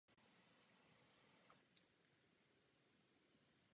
Byli v péči organizací mezinárodní pomoci, které působily na místě.